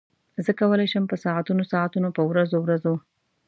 زه کولای شم په ساعتونو ساعتونو په ورځو ورځو.